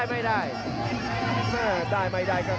ขวางแขงขวาเจอเททิ้ง